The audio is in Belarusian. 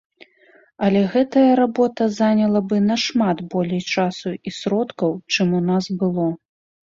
Але гэтая работа заняла бы нашмат болей часу і сродкаў, чым у нас было.